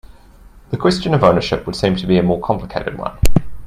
The question of ownership would seem to be a more complicated one.